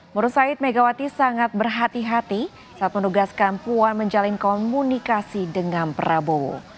menurut said megawati sangat berhati hati saat menugaskan puan menjalin komunikasi dengan prabowo